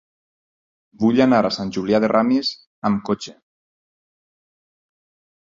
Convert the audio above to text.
Vull anar a Sant Julià de Ramis amb cotxe.